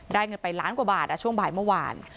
เงินไปล้านกว่าบาทช่วงบ่ายเมื่อวาน